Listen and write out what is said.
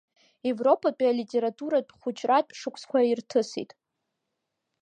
Европатәи алитературатә хәыҷратә шықәса ирҭысит.